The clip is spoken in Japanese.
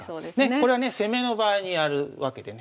これはね攻めの場合にやるわけでね